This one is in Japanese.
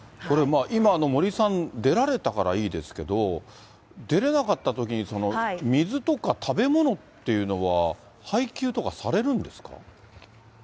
今、森さん、出られたからいいですけど、出れなかったときに、水とか食べ物っていうのは配給とかされるんですか？